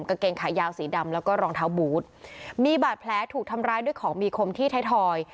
กางเกงขายาวสีดำแล้วก็รองเท้าบูธมีบาดแผลถูกทำร้ายด้วยของมีคมที่ไทยทอย